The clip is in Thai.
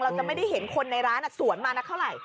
เราจะไม่ได้เห็นคนในร้านสวนมานักเท่าไหร่